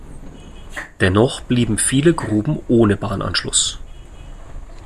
Dennoch blieben viele Gruben ohne Bahnanschluss.